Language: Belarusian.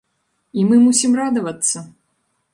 І мы мусім радавацца!